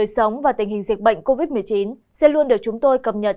tình hình sống và tình hình diệt bệnh covid một mươi chín sẽ luôn được chúng tôi cập nhật